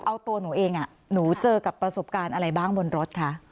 เอาตัวหนูเองหนูเจอกับประสบการณ์อะไรบ้างบนรถคะ